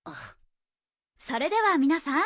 それでは皆さん